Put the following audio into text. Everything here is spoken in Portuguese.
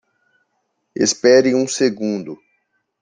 Espere um segundo.